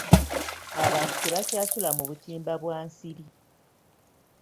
Abantu tebakyasula mu butimba bwa nsiri.